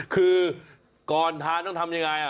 คือก่อนทานต้องทำยังไง